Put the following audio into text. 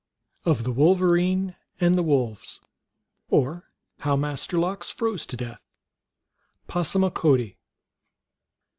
Of the Wolverine and the Wolves, or hoiv Master Lox Froze to Death. (Passamaquoddy.)